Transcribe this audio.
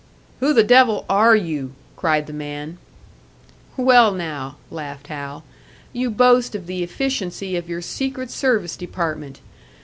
"Who the devil are you?" cried the man. "Well now!" laughed Hal. "You boast of the efficiency of your secret service department!